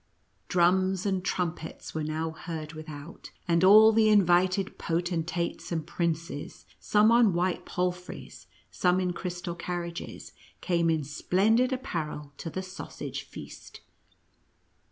Drums and trumpets were now heard with out, and all the invited potentates and princes, some on white palfreys, some in crystal carriages, came in splendid apparel to the sausage feast.